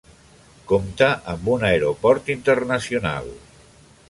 Compta amb un aeroport internacional.